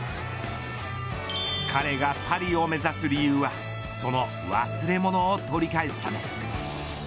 彼がパリを目指す理由はその忘れ物を取り返すため。